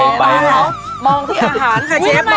และบอกว่ามองที่อาหารค่ะเชฟ